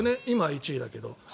今は１位だけど。